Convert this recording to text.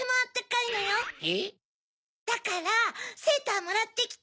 だからセーターもらってきて。